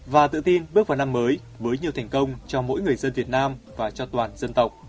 và tự tin bước vào năm mới với nhiều thành công cho mọi người